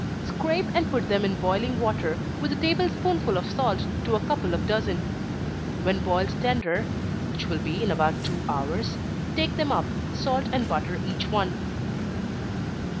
_ Scrape and put them in boiling water, with a table spoonful of salt to a couple of dozen. When boiled tender, (which will be in about two hours,) take them up, salt and butter each one.